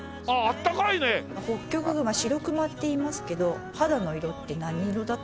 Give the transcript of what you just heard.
ホッキョクグマシロクマっていいますけど肌の色って何色だと。